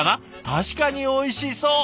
確かにおいしそう！